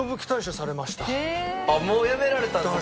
あっもう辞められたんですか？